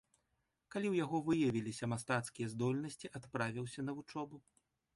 Калі ў яго выявіліся мастацкія здольнасці, адправіўся на вучобу.